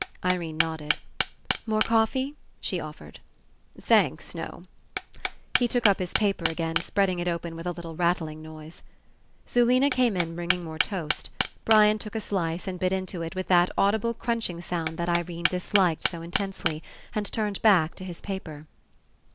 Irene nodded. "More coffee," she of fered. "Thanks, no." He took up his paper again, spreading it open with a little rattling noise. Zulena came In bringing more toast. Brian took a slice and bit into it with that audi ble crunching sound that Irene disliked so in tensely, and turned back to his paper.